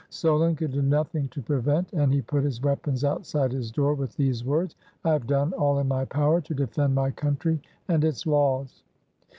Solon could do nothing to prevent, and he put his weapons outside his door with these words: "I have done all in my power to defend my country and its laws."